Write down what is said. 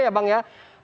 ya bang ya